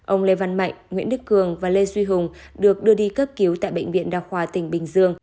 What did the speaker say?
ông lê văn mạnh nguyễn đức cường và lê duy hùng được đưa đi cấp cứu tại bệnh viện đa khoa tỉnh bình dương